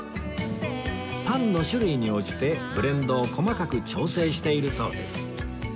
パンの種類に応じてブレンドを細かく調整しているそうです